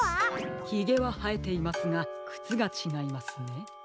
ひげははえていますがくつがちがいますね。